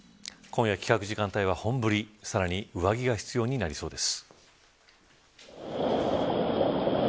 今夜帰宅時間帯は、本降りさらに上着が必要になりそうです。